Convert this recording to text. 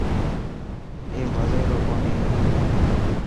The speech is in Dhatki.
اي مزي رو ڪوني هي.